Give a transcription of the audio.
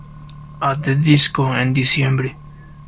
At The Disco en diciembre.